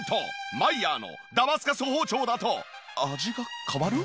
マイヤーのダマスカス包丁だと味が変わる？